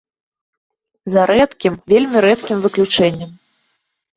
За рэдкім, вельмі рэдкім выключэннем.